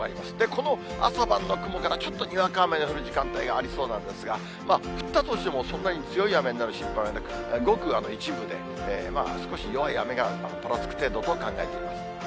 この朝晩の雲から、ちょっとにわか雨が降る時間帯がありそうなんですが、降ったとしても、そんなに強い雨になる心配は、ごく一部で、少し弱い雨がぱらつく程度と考えています。